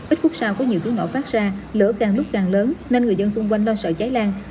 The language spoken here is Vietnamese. ít phút sau có nhiều cứu ngõ phát ra lửa càng lúc càng lớn nên người dân xung quanh lo sợ cháy lan